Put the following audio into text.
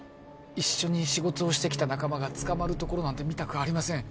一緒に仕事をしてきた仲間が捕まるところなんて見たくありません